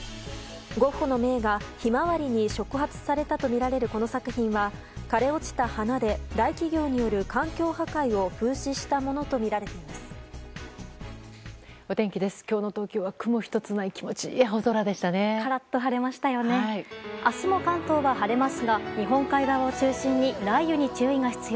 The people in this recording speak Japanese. ゴッホの名画「ひまわり」に触発されたとみられるこの作品は枯れ落ちた花で大企業による環境破壊を風刺したものとみられています。